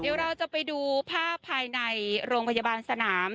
เดี๋ยวเราจะไปดูภาพภายในโรงพยาบาลสนาม